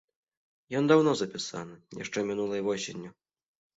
Ён даўно запісаны, яшчэ мінулай восенню.